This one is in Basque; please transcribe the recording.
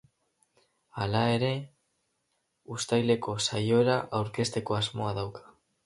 Halere, uztaileko saiora aurkezteko asmoa dauka.